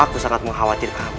aku sangat mengkhawatir kamu nih mas